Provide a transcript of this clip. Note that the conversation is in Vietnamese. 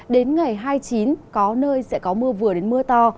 đến ngày hai mươi chín có nơi sẽ có mưa vừa đến mưa to